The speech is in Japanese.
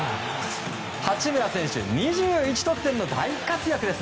八村選手は２１得点の大活躍です